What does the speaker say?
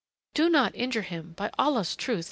"Do not injure him! By Allah's truth!